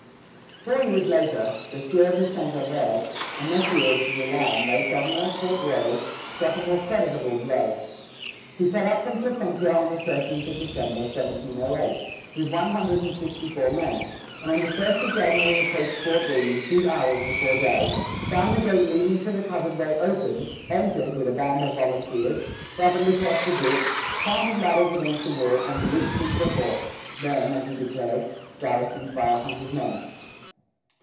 Four years later, the Sieur de Saint Ovide, a nephew of Brouillan, late governor at Port Royal, struck a more creditable blow. He set out from Placentia on the thirteenth of December, 1708, with one hundred and sixty four men, and on the first of January approached Fort William two hours before day, found the gate leading to the covered way open, entered with a band of volunteers, rapidly crossed the ditch, planted ladders against the wall, and leaped into the fort, then, as he declares, garrisoned by a hundred men.